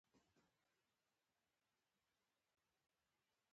د نجونو تعلیم د نوښت او اختراع هڅوي.